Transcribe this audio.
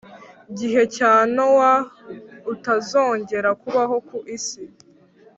gihe cya Nowa utazongera kubaho ku isi